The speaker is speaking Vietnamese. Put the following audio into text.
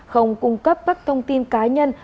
không cung cấp các thông tin cá nhân